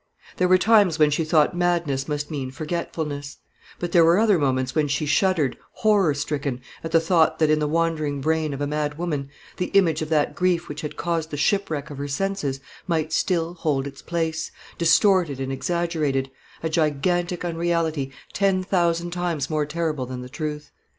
There were times when she thought madness must mean forgetfulness; but there were other moments when she shuddered, horror stricken, at the thought that, in the wandering brain of a mad woman, the image of that grief which had caused the shipwreck of her senses might still hold its place, distorted and exaggerated, a gigantic unreality, ten thousand times more terrible than the truth.